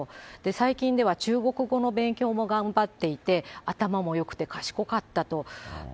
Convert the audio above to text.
最近では中国語の勉強も頑張っていて、頭もよくて賢かったと。